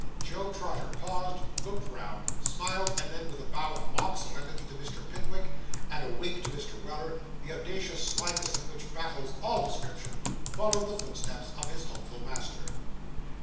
Job Trotter paused, looked round, smiled and then with a bow of mock solemnity to Mr. Pickwick, and a wink to Mr. Weller, the audacious slyness of which baffles all description, followed the footsteps of his hopeful master.